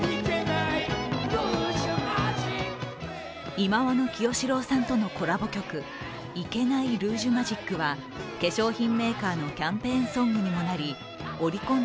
忌野清志郎さんとのコラボ曲「い・け・な・いルージュマジック」は化粧品メーカーのキャンペーンソングにもなりオリコン